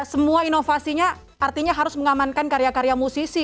semua inovasinya artinya harus mengamankan karya karya musisi